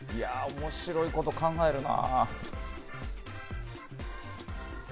面白いこと考えるな。